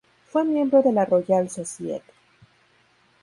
Fue miembro de la Royal Society